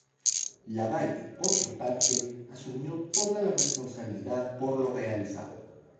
Lavalle, por su parte, asumió toda la responsabilidad por lo realizado.